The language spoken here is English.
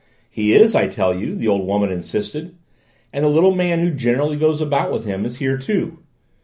"He is, I tell you," the old woman insisted; "and the little man who generally goes about with him is here too."